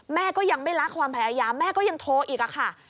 แม่ก็ยังไม่รักความพยายามแม่ก็ยังโทรอีกค่ะ